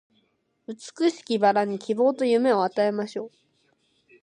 美しき薔薇に希望と夢を与えましょう